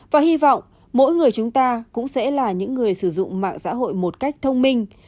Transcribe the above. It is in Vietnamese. và hy vọng mỗi người chúng ta cũng sẽ là những người sử dụng mạng xã hội một cách thông minh